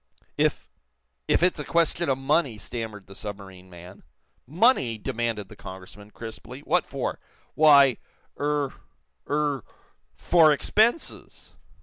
"If if it's a question of money " stammered the submarine man. "Money?" demanded the Congressman, crisply. "What for?" "Why er er for expenses."